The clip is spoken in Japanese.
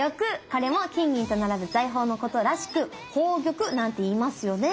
これも金銀と並ぶ財宝のことらしく「宝玉」なんて言いますよね。